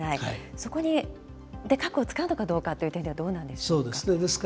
そこで核を使うのかどうかっていう点ではどうなんでしょうか。